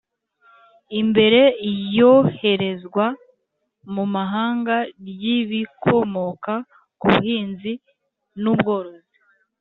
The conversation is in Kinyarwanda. imbere Iyoherezwa mu Mahanga ry ibikomoka ku Buhinzi n Ubworozi